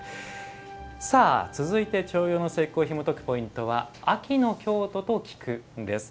続いて、重陽の節句をひもとくポイントは「秋の京都と菊」です。